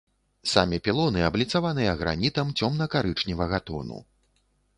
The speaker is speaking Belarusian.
Самі пілоны абліцаваныя гранітам цёмна-карычневага тону.